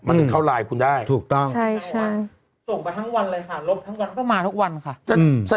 มันเข้าไลน์คุณได้ส่งไปทั้งวันเลยค่ะลบทั้งวันก็มาทั้งวันค่ะ